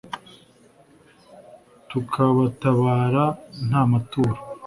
tukabatabara nta maturo